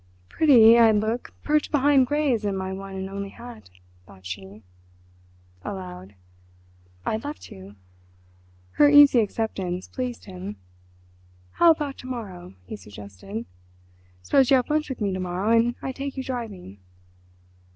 "Pretty I'd look perched behind greys in my one and only hat," thought she. Aloud: "I'd love to." Her easy acceptance pleased him. "How about to morrow?" he suggested. "Suppose you have lunch with me to morrow and I take you driving."